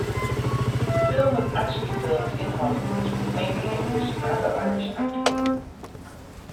The film was actually filmed in Hollywood with mainly English and Irish actors.